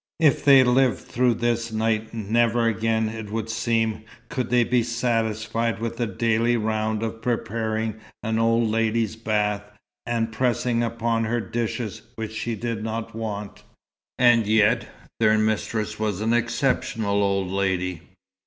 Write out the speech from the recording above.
If they lived through this night, never again, it would seem, could they be satisfied with the daily round of preparing an old lady's bath, and pressing upon her dishes which she did not want. And yet their mistress was an exceptional old lady.